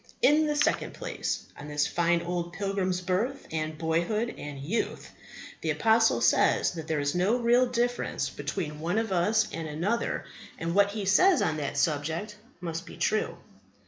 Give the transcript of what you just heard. In the second place, on this fine old pilgrim's birth and boyhood and youth. The apostle says that there is no real difference between one of us and another; and what he says on that subject must be true.